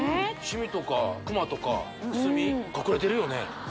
シミとかクマとかくすみ隠れてるよね